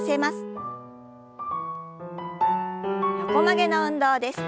横曲げの運動です。